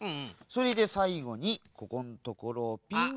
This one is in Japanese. それでさいごにここんところをピンと。